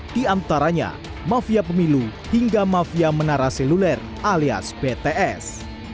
di antaranya mafia pemilu hingga mafia menara seluler alias bts